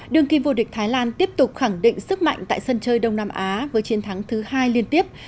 đương kim vô địch thái lan tiếp tục khẳng định sức mạnh tại sân chơi đông nam á với chiến thắng thứ hai liên tiếp